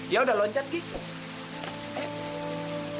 ya udah loncat giko